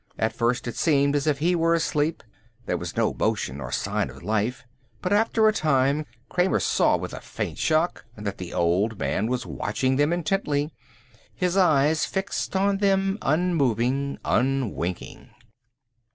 At first it seemed as if he were asleep; there was no motion or sign of life. But after a time Kramer saw with a faint shock that the old man was watching them intently, his eyes fixed on them, unmoving, unwinking.